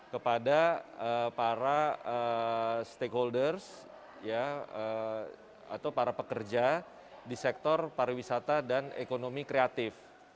kepada para stakeholders atau para pekerja di sektor pariwisata dan ekonomi kreatif